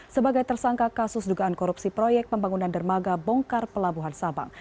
sebagai tersangka kasus dugaan korupsi proyek pembangunan dermaga bongkar pelabuhan sabang